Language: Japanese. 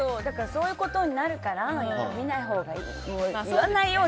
そういうことになるから見ないほうがいい。